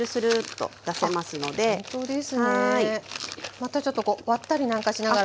またちょっとこう割ったりなんかしながら。